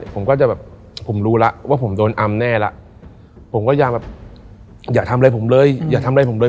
ผมก็จะแบบผมรู้แล้วว่าผมโดนอำแน่แล้วผมก็อย่าแบบอย่าทำอะไรผมเลยอย่าทำอะไรผมเลย